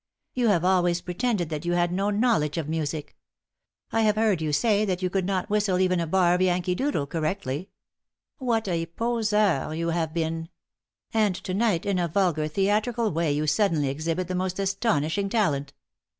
"You have always pretended that you had no knowledge of music. I have heard you say that you could not whistle even a bar of 'Yankee Doodle' correctly. What a poseur you have been! And to night, in a vulgar, theatrical way you suddenly exhibit the most astonishing talent.